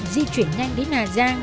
di chuyển nhanh đến hà giang